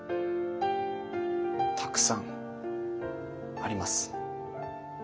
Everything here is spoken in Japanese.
たくさんあります。